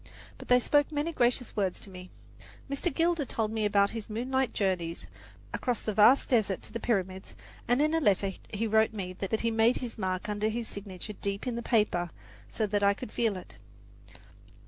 But they spoke many gracious words to me. Mr. Gilder told me about his moonlight journeys across the vast desert to the Pyramids, and in a letter he wrote me he made his mark under his signature deep in the paper so that I could feel it.